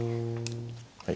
はい。